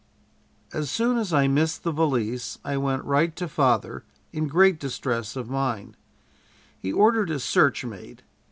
"As soon as I missed the valise I went right to father, in great distress of mind. He ordered a search made.